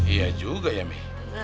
iya juga ya be